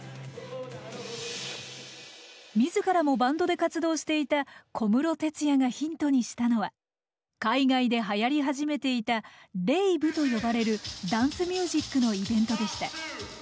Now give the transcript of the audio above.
自らもバンドで活動していた小室哲哉がヒントにしたのは海外ではやり始めていたレイブと呼ばれるダンスミュージックのイベントでした。